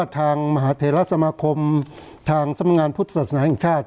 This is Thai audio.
ทางมหาเทราสมาคมทางสำนักงานพุทธศาสนาแห่งชาติ